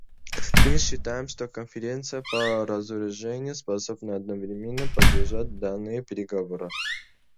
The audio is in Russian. Мы считаем, что Конференция по разоружению способна одновременно поддерживать данные переговоры.